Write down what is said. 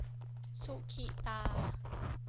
สุขิตา